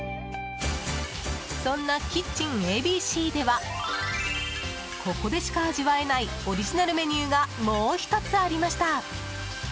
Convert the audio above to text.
そんなキッチンＡＢＣではここでしか味わえないオリジナルメニューがもう１つありました。